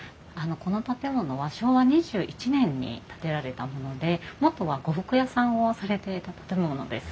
この建物は昭和２１年に建てられたもので元は呉服屋さんをされていた建物です。